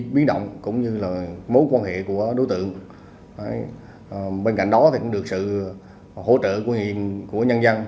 bên cạnh đó được sự hỗ trợ của nhân dân